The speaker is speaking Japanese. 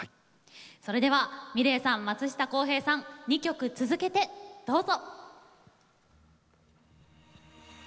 それではｍｉｌｅｔさん松下洸平さん２曲続けてどうぞ。